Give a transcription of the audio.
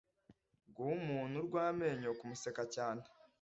guha umuntu urw'amenyo kumuseka cyane